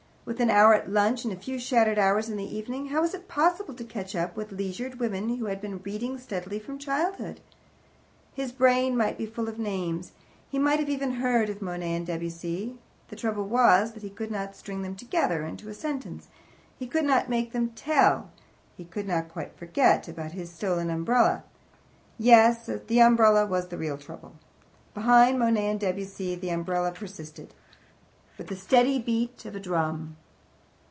With an hour at lunch and a few shattered hours in the evening, how was it possible to catch up with leisured women, who had been reading steadily from childhood? His brain might be full of names, he might have even heard of Monet and Debussy; the trouble was that he could not string them together into a sentence, he could not make them "tell," he could not quite forget about his stolen umbrella. Yes, the umbrella was the real trouble. Behind Monet and Debussy the umbrella persisted, with the steady beat of a drum.